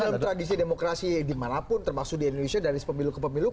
dalam tradisi demokrasi dimanapun termasuk di indonesia dari pemilu ke pemilu